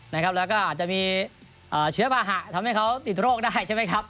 แล้วก็อาจจะมีเชื้อบาหะทำให้เขาติดโรคได้ใช่ไหมครับ